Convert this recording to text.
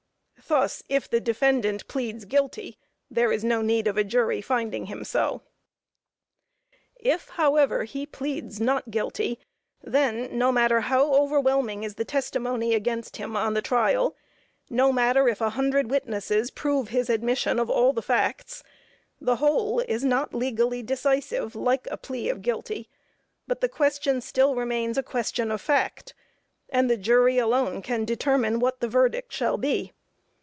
Thus, if the defendant pleads "guilty," there is no need of a jury finding him so. If, however, he pleads "not guilty," then, no matter how overwhelming is the testimony against him on the trial, no matter if a hundred witnesses prove his admission of all the facts, the whole is not legally decisive like a plea of guilty; but the question still remains a question of fact, and the jury alone can determine what the verdict shall be.